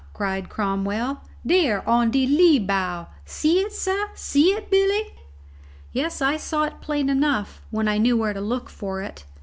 cried Cromwell. "Dere on de lee bow see it, sah? See it, Billy?" Yes, I saw it plain enough when I knew where to look for it.